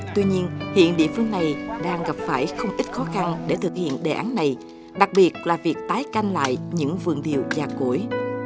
tuy nhiên hiện địa phương này đang gặp phải không ít khó khăn để thực hiện đề án này đặc biệt là việc tái canh lại những vườn điều già cỗi